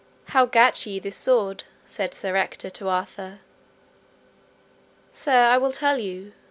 How gat ye this sword? said Sir Ector to Arthur. Sir, I will tell you.